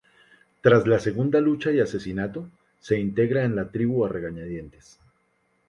Tras la segunda lucha y asesinato, se integra en la tribu a regañadientes.